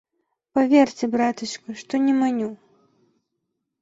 Паверце, братачка, што не маню.